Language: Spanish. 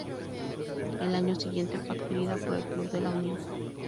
Al año siguiente fue adquirida por el Club de la Unión.